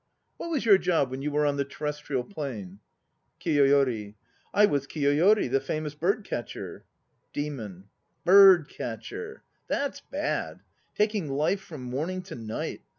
What was your job when you were on the Terrestrial Plane? KIYOYORI. I was Kiyoyori, the famous bird catcher. DEMON. Bird catcher? That's bad. Taking life from morning to night.